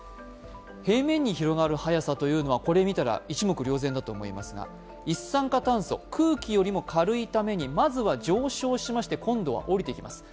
平面に広がる速さはこれを見たら一目瞭然だと思いますが一酸化炭素、空気よりも軽いためにまずは上昇しまして今度は下りてきます。